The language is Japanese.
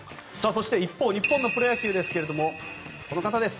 そして一方日本のプロ野球ですけれどもこの方です。